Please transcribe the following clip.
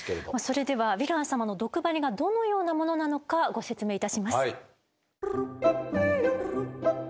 それではヴィラン様の毒針がどのようなものなのかご説明いたします。